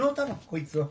こいつを。